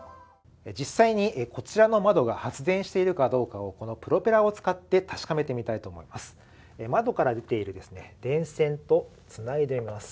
実際に、こちらの窓が発電しているかどうかをこのプロペラを使って確かめてみたいと思います。